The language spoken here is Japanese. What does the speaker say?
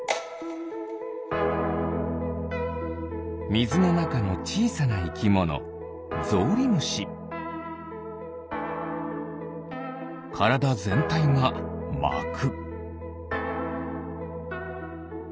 みずのなかのちいさないきものからだぜんたいがまく。